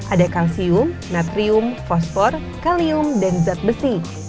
ada kalsium natrium fosfor kalium dan zat besi